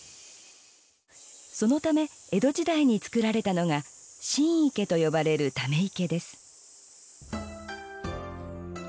そのため江戸時代に造られたのが新池と呼ばれるため池です。